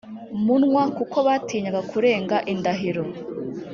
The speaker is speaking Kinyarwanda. munwa kuko batinyaga kurenga indahiro